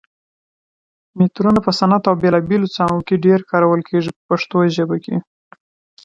مترونه په صنعت او بېلابېلو څانګو کې ډېر کارول کېږي په پښتو کې.